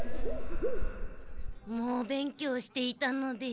猛勉強していたので。